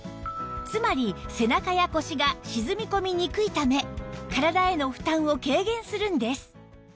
つまり背中や腰が沈み込みにくいため体への負担を軽減するんです